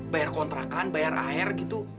bayar kontrakan bayar air gitu